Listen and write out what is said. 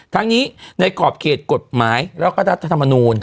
ทั้งนี้ในขอบเขตกฎหมายแล้วก็รัฐธรรมนูล